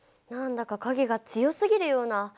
何だか影が強すぎるような。